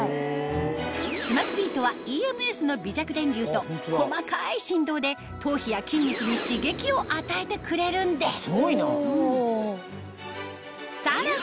スマスビートはＥＭＳの微弱電流と細かい振動で頭皮や筋肉に刺激を与えてくれるんですさらに